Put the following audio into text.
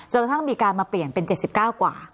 จนถ้ามีการมาเปลี่ยนเป็น๗๙กว่า